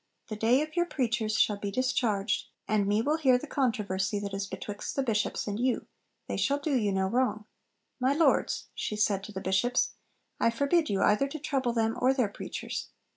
The day of your preachers shall be discharged, and me will hear the controversy that is betwixt the Bishops and you. They shall do you no wrong. My Lords," said she to the Bishops, "I forbid you either to trouble them or their preachers."